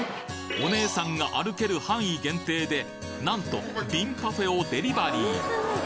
おねえさんが歩ける範囲限定でなんと瓶パフェをデリバリー